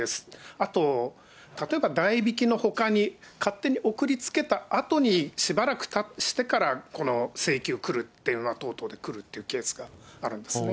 あと例えば代引きのほかに、勝手に送り付けたあとにしばらくしてから請求くるっていう、等々のケースがあるんですね。